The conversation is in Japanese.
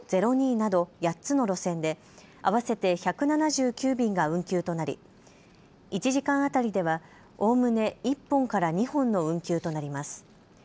０２など８つの路線で、合わせて１７９便が運休となり１時間当たりでは、おおむね１本から２本の運休となります。